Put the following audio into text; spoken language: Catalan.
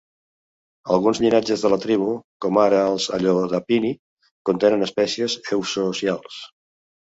Alguns llinatges de la tribu, com ara els Allodapini, contenen espècies eusocials.